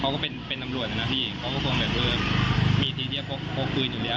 เขาก็เป็นตำรวจน่ะนะพี่เขาก็คงแบบเออมีทีที่จะโค้กคืนอยู่แล้ว